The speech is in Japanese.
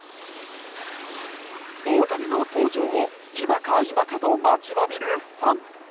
大谷の登場を今か今かと待ちわびるファン。